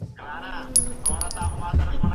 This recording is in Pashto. باید د ورانکارۍ مخه ونیول سي.